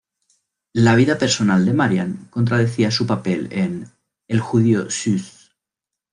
La vida personal de Marian contradecía su papel en "El judío Süß".